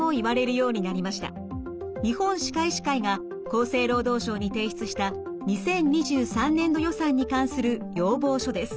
日本歯科医師会が厚生労働省に提出した２０２３年度予算に関する要望書です。